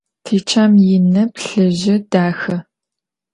Tiçem yinı, plhıjı, daxe.